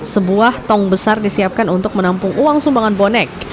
sebuah tong besar disiapkan untuk menampung uang sumbangan bonek